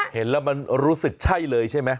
เห็นแล้วมันรู้สึกใช่เลยใช่ไหม